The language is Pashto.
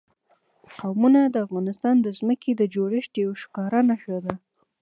قومونه د افغانستان د ځمکې د جوړښت یوه ښکاره نښه ده.